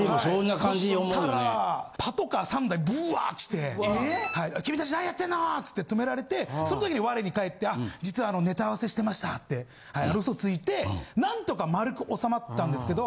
そしたらパトカー３台ブワーッ来て君たち何やってんの！つって止められてそん時に我に返って実はネタ合わせしてましたって嘘ついてなんとか丸く収まったんですけど。